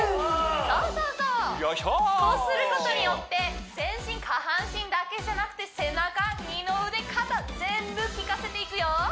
そうそうそうそうすることによって全身下半身だけじゃなくて背中二の腕肩全部きかせていくよ